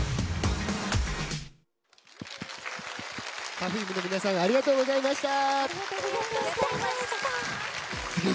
Ｐｅｒｆｕｍｅ の皆さんありがとうございました。